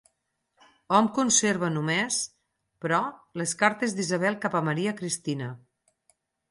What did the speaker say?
Hom conserva només, però, les cartes d'Isabel cap a Maria Cristina.